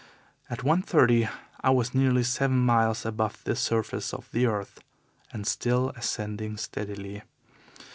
At one thirty I was nearly seven miles above the surface of the earth, and still ascending steadily.